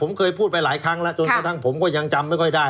ผมเคยพูดไปหลายครั้งแล้วจนกระทั่งผมก็ยังจำไม่ค่อยได้